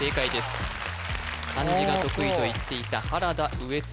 １番か漢字が得意と言っていた原田上辻